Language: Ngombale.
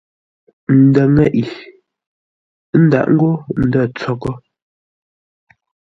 Ndə̂ ŋeʼe, ə́ ndâʼ ngô ndə̂ tsoghʼə.